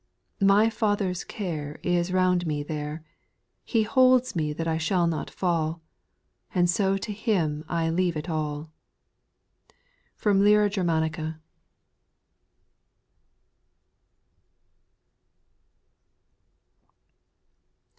My Father's care Is round me there ; He holds me that I shall not fall. And so to Him I leave it alL FROM LYRA GERMANICA.